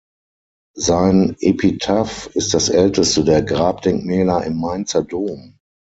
Sein Epitaph ist das älteste der Grabdenkmäler im Mainzer Dom.